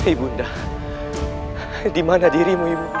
ibu nda dimana dirimu ibu nda